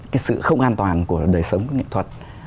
cái sự không an toàn của đời sống của nghệ thuật